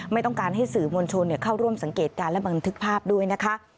ไม่ต้องการให้สื่อมวลชนเข้าร่วมสังเกตการณ์และบันทึกภาพด้วยนะคะ